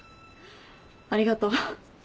ありがとう。